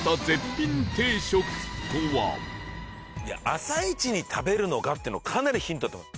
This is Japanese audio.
朝一に食べるのがっていうのはかなりヒントだと思う。